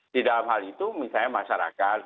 di dalam hal itu misalnya masyarakat